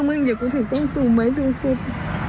มึงเดี๋ยวกูถึงต้องสู้ไหมสู้สุด